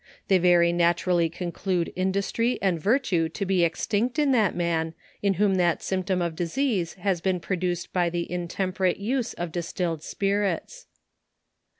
They very naturally conclude indus try and virtue to he extinct in that man in whom that symptom of disease, has been produced by the intemper ate use of distilled spirits.